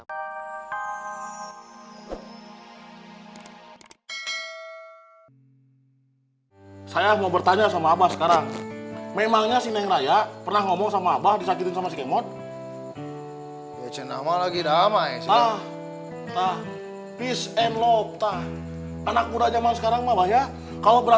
baru nya kan neng raya